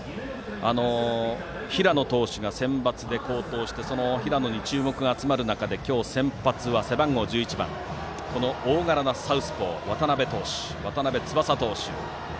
平野投手がセンバツで好投してその平野に注目が集まる中で今日の先発は背番号１１番、大柄なサウスポー渡邉翼投手。